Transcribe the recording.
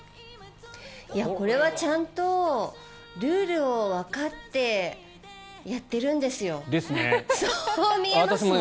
これはちゃんとルールをわかってやってるんですよ。ですね。